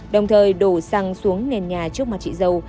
đồng thời đổ xăng xuống nền nhà trước mặt chị dầu